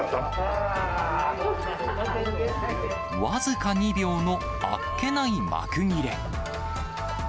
僅か２秒のあっけない幕切れ。